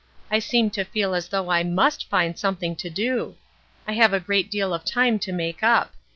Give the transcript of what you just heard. I seem to feel as though I must find something to do. I have a great deal of time to make up.